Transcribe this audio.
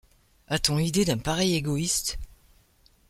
A-t-on idée d’un pareil égoïste ?